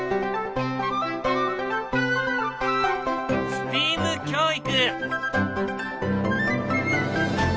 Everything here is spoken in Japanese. ＳＴＥＡＭ教育。